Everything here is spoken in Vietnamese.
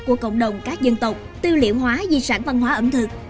của cộng đồng các dân tộc tư liệu hóa di sản văn hóa ẩm thực